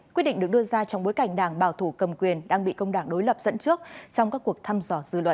quyết định được đưa ra trong bối cảnh đảng bảo thủ cầm quyền đang bị công đảng đối lập dẫn trước trong các cuộc thăm dò dư luận